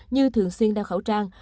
như thường xuyên đeo khẩu trang